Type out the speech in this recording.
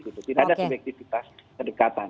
tidak ada subjektifitas kedekatan